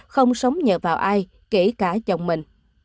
không sống nhờ vào ai kể cả chồng mình